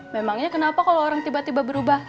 memangnya kenapa kalau orang tiba tiba berubah